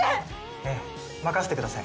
ええ任せてください